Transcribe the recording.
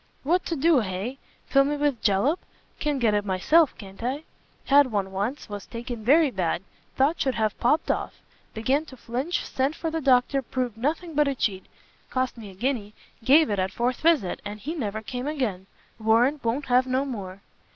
"What to do, hay? fill me with jallop? can get it myself, can't I? Had one once; was taken very bad, thought should have popt off; began to flinch, sent for the doctor, proved nothing but a cheat! cost me a guinea, gave it at fourth visit, and he never came again! warrant won't have no more!"